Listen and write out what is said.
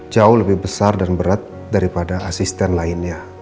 jauh lebih besar dan berat daripada asisten lainnya